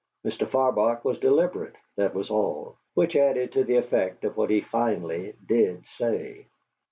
Mr. Farbach was deliberate, that was all, which added to the effect of what he finally did say.